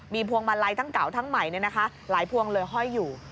พวงมาลัยทั้งเก่าทั้งใหม่หลายพวงเลยห้อยอยู่